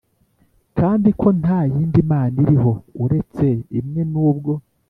Kandi ko nta yindi mana iriho uretse imwe nubwo